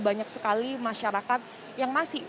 banyak sekali masyarakat yang masih